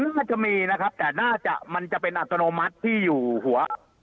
น่าจะมีนะครับแต่น่าจะมันจะเป็นอัตโนมัติที่อยู่หัว